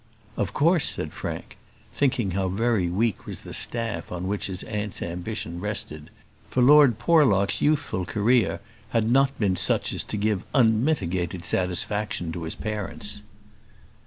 "Of course," said Frank, thinking how very weak was the staff on which his aunt's ambition rested; for Lord Porlock's youthful career had not been such as to give unmitigated satisfaction to his parents.